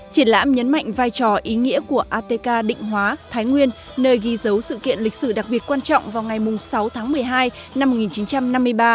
triển lãm nhấn mạnh vai trò ý nghĩa của atk định hóa thái nguyên nơi ghi dấu sự kiện lịch sử đặc biệt quan trọng vào ngày sáu tháng một mươi hai năm một nghìn chín trăm năm mươi ba